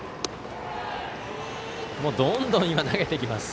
どんどん投げてきます。